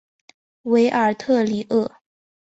韦尔特里厄。